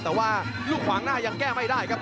แต่ว่าลูกขวางหน้ายังแก้ไม่ได้ครับ